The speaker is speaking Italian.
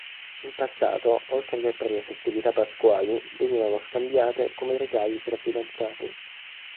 In passato oltre che per le festività pasquali venivano scambiate come regali tra fidanzati.